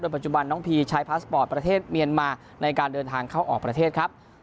ปัจจุบันน้องพีใช้พาสปอร์ตประเทศเมียนมาในการเดินทางเข้าออกประเทศครับ